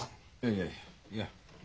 いやいやいやうん。